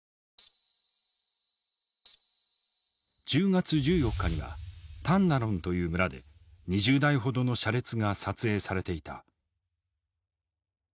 １０月１４日にはタンナロンという村で２０台ほどの車列が撮影されていた。